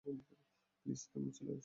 Please তুমি চলে এসো।